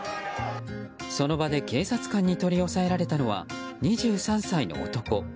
その場で警察官に取り押さえられたのは２３歳の男。